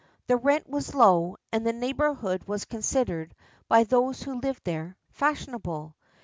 The rent was low, and the neighbourhood was considered, by those who lived there, fashionable.